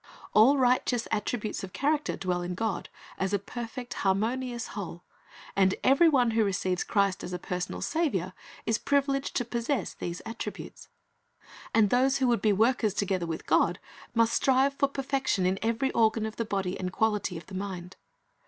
All righteous attributes of character dwell in God as a perfect, harmonious whole, and every one who receives Christ as a personal Saviour is privileged to possess these attributes. And those who would be workers together with God must strive for perfection of every organ of the body and quality of the mind.